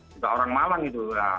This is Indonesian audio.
juga orang malang itu